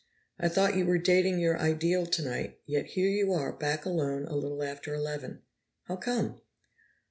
I thought you were dating your ideal tonight, yet here you are, back alone a little after eleven. How come?"